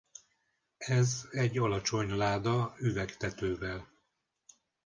Ez egy alacsony láda üveg tetővel.